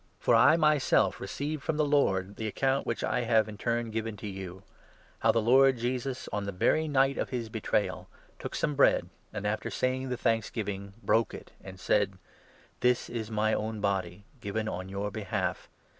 For I myself received from the Lord the account 23 which I have in turn given to you — how the Lord Jesus, on the very night of his betrayal, took some bread, and, after 24 saying the thanksgiving, broke it and said " This is my own body given on your behalf.